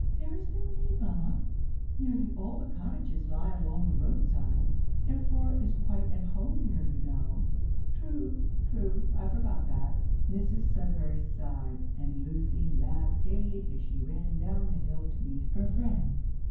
"There is no need, mamma. Nearly all the cottages lie along the road side, and Flora is quite at home here, you know." "True, true, I forgot that." Mrs Sudberry sighed and Lucy laughed gaily as she ran down the hill to meet her friend.